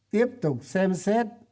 tiếp tục xem xét